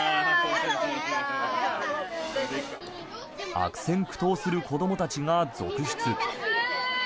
悪戦苦闘する子どもたちが続出。